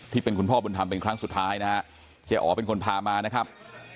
ที่เป็นคุณพ่อบุญธรรมเป็นครั้งสุดท้ายเจ้าอ๋อเป็นคนพามานะครับ